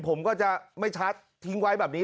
ผมก็จะไม่ชัดทิ้งไว้แบบนี้